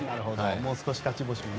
もう少し勝ち星もね。